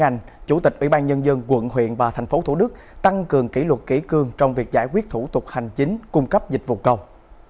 nhân dân quận huyện và thành phố thủ đức tăng cường kỷ luật kỹ cương trong việc giải quyết thủ tục hành chính cung cấp dịch vụ công